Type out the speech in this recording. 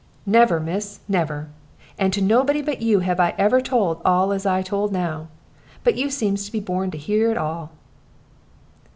"Never, miss, never! And to nobody but you have I ever told all as I told now. But you seems to be born to hear it all."